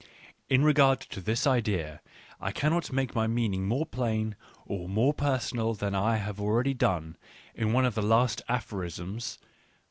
In regard to this idea I cannot make my meaning more plain or more personal than I have done already in one of the last aphor isms (No.